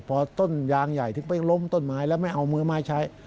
พอต้นยางใหญ่ถึงไปล้มต้นไม้แล้วไม่เอามือไม้ใช้